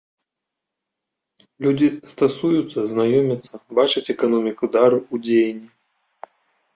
Людзі стасуюцца, знаёмяцца, бачаць эканоміку дару ў дзеянні.